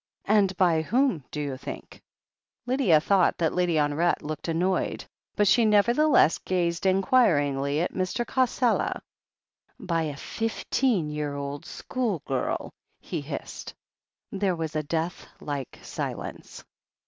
And by whom do you think?" i N THE HEEL OF ACHILLES 221 Lydia thought that Lady Honoret looked annoyed, but she nevertheless gazed inquiringly at Mr. Cassela. "By a fifteen year old school girl !'* he hissed. There was a death like silence.